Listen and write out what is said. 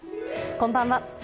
こんばんは。